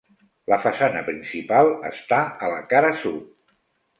La façana principal està a la cara sud.